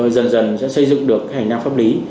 dần dần xây dựng được hành năng pháp lý